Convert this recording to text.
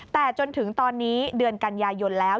แต่จนถึงตอนนี้เดือนกันยายนแล้ว